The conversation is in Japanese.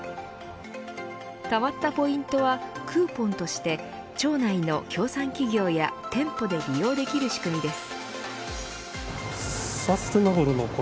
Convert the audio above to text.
たまったポイントはクーポンとして町内の協賛企業や店舗で利用できる仕組みです。